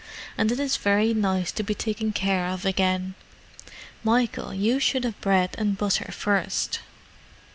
"And it is very nice to be taken care of again. Michael, you should have bread and butter first."